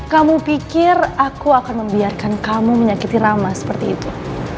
kamu pikir aku akan membiarkan kamu menyakiti rama seperti itu